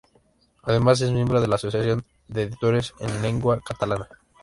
Además, es miembro de la Associació d’Editors en Llengua Catalana.